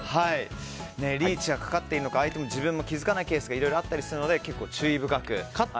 リーチがかかっているのか相手も自分も気づかないケースがあったりするので結構注意深く。